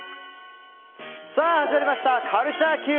始まりました、カルチャーＱ。